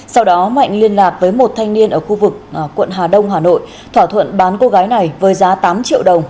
sau đó mạnh liên lạc với một thanh niên ở khu vực quận hà đông hà nội thỏa thuận bán cô gái này với giá tám triệu đồng